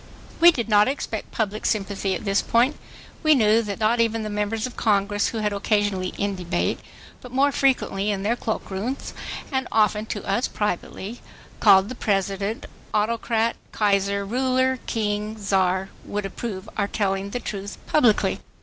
We did not expect public sympathy at this point. We knew that not even the members of Congress who had occasionally in debate, but more frequently in their cloak rooms, and often to us privately, called the President "autocrat"—"Kaiser"—"Ruler"—"King"—"Czar"—would approve our telling the truth publicly.